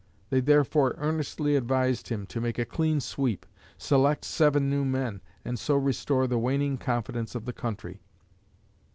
They therefore earnestly advised him to make a clean sweep, select seven new men, and so restore the waning confidence of the country.